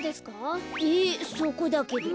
そこだけど。